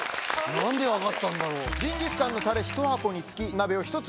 何で分かったんだろう？